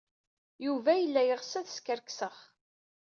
Yuba yella yeɣs ad skerkseɣ.